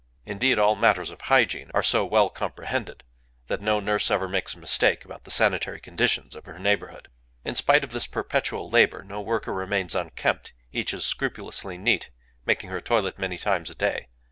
Indeed, all matters of hygiene are so well comprehended that no nurse ever makes a mistake about the sanitary conditions of her neighborhood. In spite of this perpetual labor no worker remains unkempt: each is scrupulously neat, making her toilet many times a day.